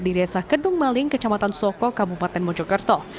di desa kedung maling kecamatan soko kabupaten mojokerto